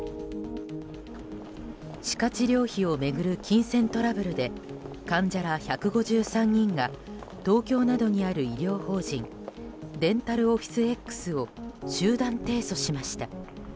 歯科治療費を巡る金銭トラブルで患者ら１５３人が東京などにある医療法人ＤｅｎｔａｌＯｆｆｉｃｅＸを集団提訴しました。